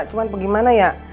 cuma bagaimana ya